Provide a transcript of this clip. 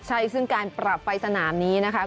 ใช่ซึ่งการปรับไฟสนามนี้นะคะ